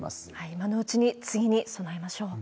今のうちに次に備えましょう。